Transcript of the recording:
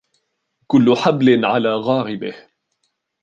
كل حبل على غاربه